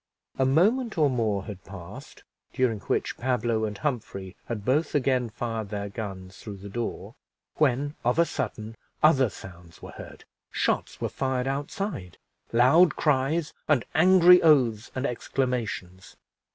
A moment or more had passed, during which Pablo and Humphrey had both again fired their guns through the door, when, of a sudden, other sounds were heard shots were fired outside, loud cries, and angry oaths and exclamations.